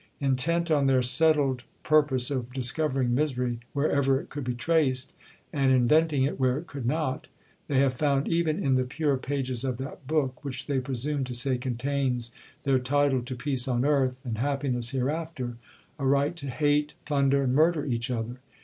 Intent on their settled purpose of discovering misery wherever it could be traced, and inventing it where it could not, they have found, even in the pure pages of that book, which, they presume to say, contains their title to peace on earth, and happiness hereafter, a right to hate, plunder, and murder each other.